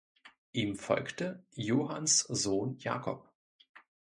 Ihm folgte Johanns Sohn Jakob.